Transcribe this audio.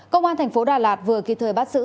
công an thành phố đà lạt vừa kịp thời bắt xử